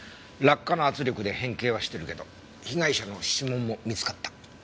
落下の圧力で変形はしてるけど被害者の指紋も見つかった。